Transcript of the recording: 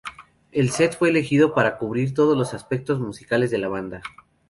El set fue elegido para cubrir todos los aspectos musicales de la banda.